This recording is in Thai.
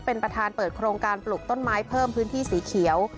เป็นประธานเปิดโครงการปลูกต้นไม้เพิ่มพื้นที่สีเขียว